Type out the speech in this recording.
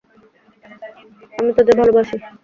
আমি তোদের ভালোবাসি।